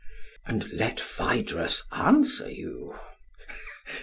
And let Phaedrus answer you.